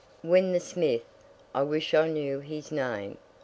When the Smith (I wish I knew his name!)